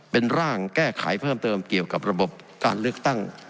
เป็นร่างแก้ไขเพิ่มเติมเกี่ยวกับระบบการเลือกตั้ง